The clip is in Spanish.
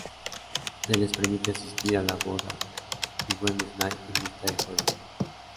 Se les permite asistir a la boda, y Wednesday invita a Joel.